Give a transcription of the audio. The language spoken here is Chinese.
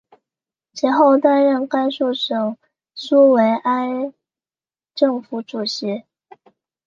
其后担任甘肃省苏维埃政府主席。